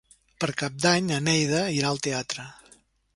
Per Cap d'Any na Neida irà al teatre.